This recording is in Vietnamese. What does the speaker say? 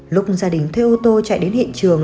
lúc gia đình thuê ô tô chạy đến hiện trường